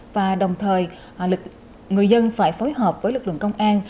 và đồng thời người dân phải phối hợp với lực lượng công an